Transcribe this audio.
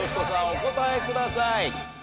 お答えください。